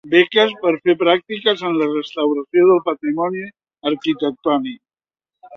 Beques per fer pràctiques en la restauració del patrimoni arquitectònic.